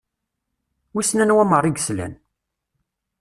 Wissen anwa meṛṛa i yeslan?